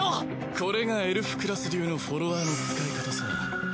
これがエルフクラス流のフォロワーの使い方さ。